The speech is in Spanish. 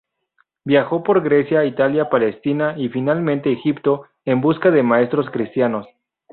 Viajó por Grecia, Italia, Palestina y finalmente Egipto, en busca de maestros cristianos.